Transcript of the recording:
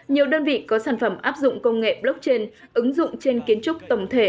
nhiều đơn vị có sản phẩm áp dụng công nghệ blockchain ứng dụng trên kiến trúc tổng thể